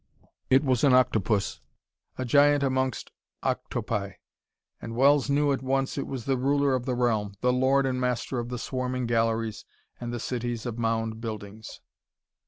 It was an octopus, a giant amongst octopi, and Wells knew at once it was the ruler of the realm, the lord and master of the swarming galleries and the cities of mound buildings.